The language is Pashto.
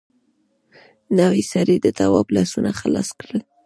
نوي سړي د تواب لاسونه خلاص کړل.